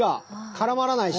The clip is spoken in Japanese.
絡まらないし。